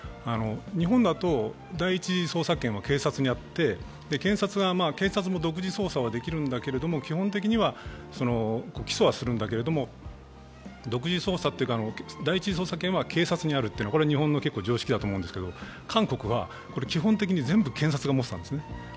日本だと第１次捜査権は検察にあって検察も独自捜査はできるんだけど、基本的には起訴はするんだけれども、独自捜査というか第一次捜査権は警察にあるというのは日本の常識だと思うんですけど、韓国はそれを全部検察が持ってたんですね。